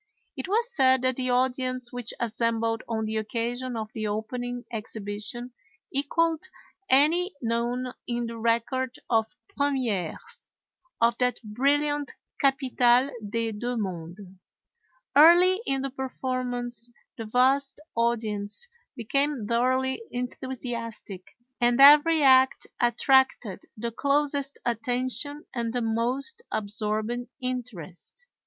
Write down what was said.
It was said that the audience which assembled on the occasion of the opening exhibition equaled any known in the record of premières of that brilliant capitale des deux mondes. Early in the performance the vast audience became thoroughly enthusiastic, and every act attracted the closest attention and the most absorbing interest.